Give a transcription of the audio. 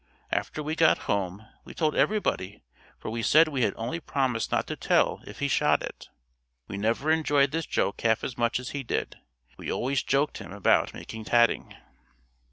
After we got home, we told everybody for we said we had only promised not to tell if he shot it. We never enjoyed this joke half as much as he did. We always joked him about making tatting.